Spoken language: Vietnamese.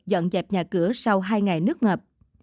dọn dẹp nhà cửa sau hai ngày nước ngập